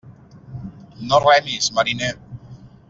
No remis, mariner.